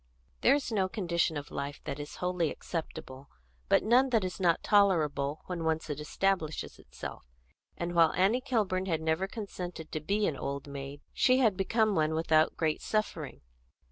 There is no condition of life that is wholly acceptable, but none that is not tolerable when once it establishes itself; and while Annie Kilburn had never consented to be an old maid, she had become one without great suffering.